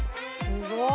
すごい！